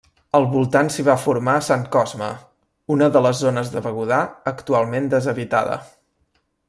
Al voltant s'hi va formar Sant Cosme, una de les zones de Begudà, actualment deshabitada.